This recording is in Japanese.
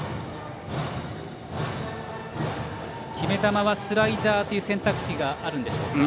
決め球はスライダーという選択肢があるんでしょうか。